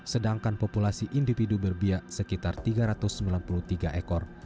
sedangkan populasi individu berbiak sekitar tiga ratus sembilan puluh tiga ekor